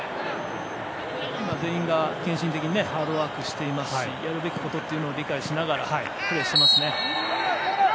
今、全員が献身的にハードワークしていますしやるべきことを理解しながらプレーしてますね。